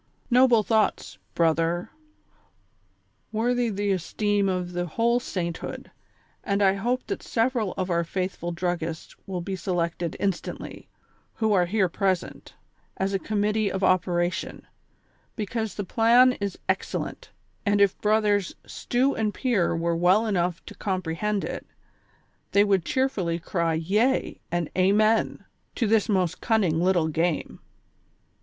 " Noble thoughts, brother ; worthy the esteem of tlie whole sainthood, and I hoi)e that several of our faithful druggists will be selected instantly, who are here present, THE CONSPIRATORS AND LOVERS. 171 as a committee of operation ; because the plan is excellent, and if brothers Stew and Pier were well enough to compre hend it, they would cheerfully cry yea and amen to this most cunning little game.'